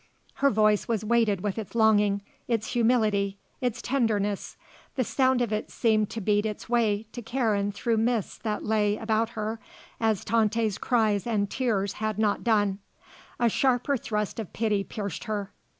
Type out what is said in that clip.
Her voice was weighted with its longing, its humility, its tenderness. The sound of it seemed to beat its way to Karen through mists that lay about her as Tante's cries and tears had not done. A sharper thrust of pity pierced her.